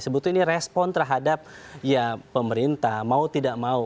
sebetulnya ini respon terhadap ya pemerintah mau tidak mau